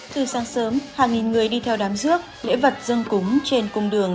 từ sáng sớm hàng nghìn người đi theo đám dước lễ vật dân cúng trên cung đường